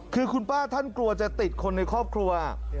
คือคุณป้าท่านกลัวจะติดคนในครอบครัว